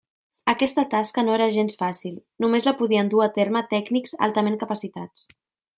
Aquesta tasca no era gens fàcil, només la podien dur a terme tècnics altament capacitats.